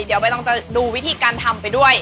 เดี๋ยวใบตองจะดูวิธีการทำไปด้วย